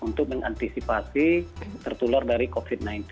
untuk mengantisipasi tertular dari covid sembilan belas